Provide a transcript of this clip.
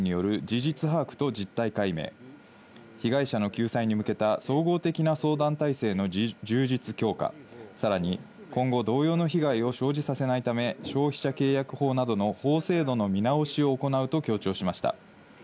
その上で、教団に対し、質問権の行使による事実把握と実態解明、被害者の救済に向けた総合的な相談体制の充実強化、さらに今後、同様の被害を生じさせないため、消費者契約法等の法制度の見直しを行うと強調しました。